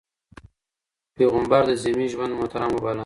پيغمبر د ذمي ژوند محترم وباله.